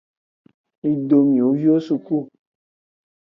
Mido mioviwo suku.